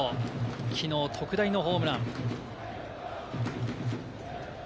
きのう特大のホームラン。